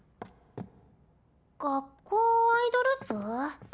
「学校アイドル部」？